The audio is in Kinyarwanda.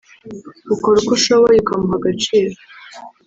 ukora uko ushoboye ukamuha agaciro